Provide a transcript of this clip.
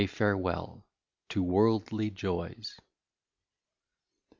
A Farewel To Worldly Joys.